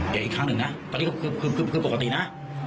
อย่าอีกครั้งหนึ่งนะตอนนี้คือปกตินะ